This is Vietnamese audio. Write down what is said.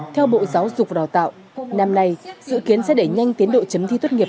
theo bộ giáo dục đào tạo năm nay dự kiến sẽ đẩy nhanh tiến đội chấm thi tuyên nghiệp